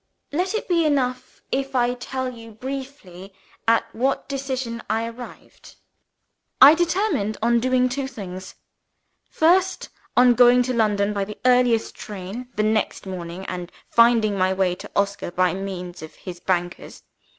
Let it be enough if I tell you briefly at what decision I arrived. I determined on doing two things. First, on going to London by the earliest train the next morning, and finding my way to Oscar by means of his bankers.